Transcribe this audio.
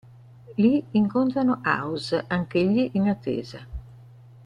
Lì incontrano House, anch'egli in attesa.